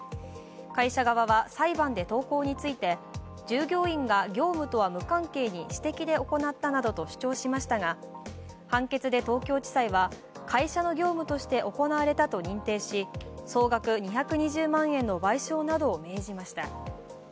会社側は裁判で投降について、従業員が業務とは無関係に私的で行ったなどと主張しましたが判決で東京地裁は会社の業務として行われたと認定し、総額２２０万円の賠償などを命じました。